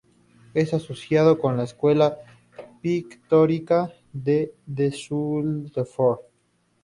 Es asociado con la escuela pictórica de Düsseldorf.